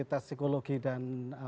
tes psikologi dan